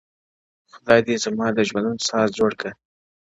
خداى دي زما د ژوندون ساز جوړ كه;